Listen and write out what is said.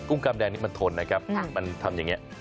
กำแดงนี่มันทนนะครับมันทำอย่างนี้